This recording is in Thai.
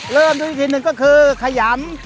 เริ่มด้วยทีนึงก็คือขยำ